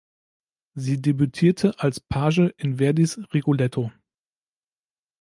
Sie debütierte als Page in Verdis Rigoletto.